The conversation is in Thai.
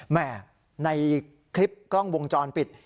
แม่ในคลิปกล้องวงจรปิด